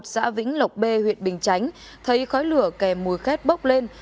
xã vĩnh lộc b huyện bình chánh thấy khói lửa kèm mùi khét bốc lên